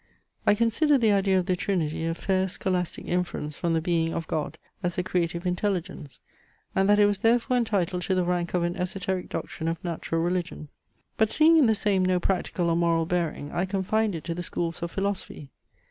I considered the idea of the Trinity a fair scholastic inference from the being of God, as a creative intelligence; and that it was therefore entitled to the rank of an esoteric doctrine of natural religion. But seeing in the same no practical or moral bearing, I confined it to the schools of philosophy.